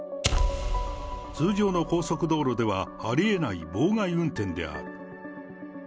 通常の高速道路ではありえない妨害運転である。